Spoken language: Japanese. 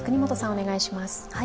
お願いします。